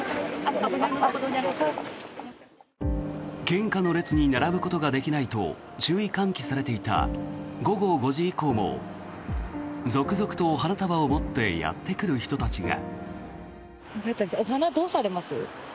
献花の列に並ぶことができないと注意喚起されていた午後５時以降も続々と花束を持ってやってくる人たちが。